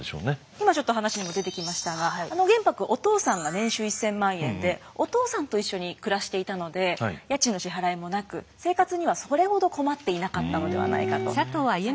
今ちょっと話にも出てきましたが玄白お父さんが年収１，０００万円でお父さんと一緒に暮らしていたので家賃の支払いもなく生活にはそれほど困っていなかったのではないかとされています。